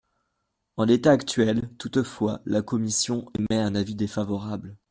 En l’état actuel, toutefois, la commission émet un avis défavorable.